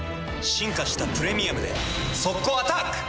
進化した「プレミアム」で速攻アタック！